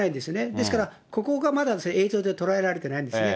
ですから、ここがまだ映像で捉えられていないんですね。